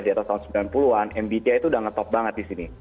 di atas tahun sembilan puluh an mbti itu udah ngetop banget di sini